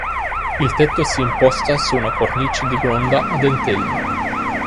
Il tetto si imposta su una cornice di gronda a dentelli.